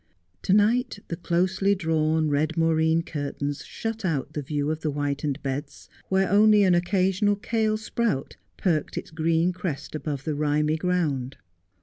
To night the closely drawn red moreen curtains shut out the view of the whitened beds, where only an occasional kail sprout perked its green crest above the rimy ground.